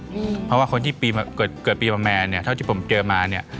เพราะว่าคนที่เกิดปีประมาณแมนเนี่ยเท่าที่ผมเจอมาเนี่ย